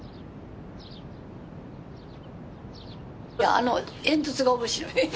あの煙突が面白い。